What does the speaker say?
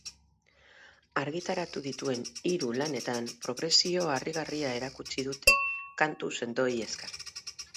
Argitaratu dituen hiru lanetan progresio harrigarria erakutsi dute kantu sendoei esker.